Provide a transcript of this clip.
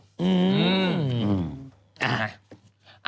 อืม